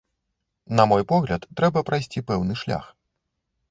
На мой погляд, трэба прайсці пэўны шлях.